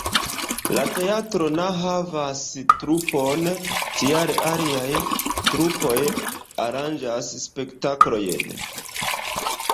La teatro na havas trupon, tial aliaj trupoj aranĝas spektaklojn.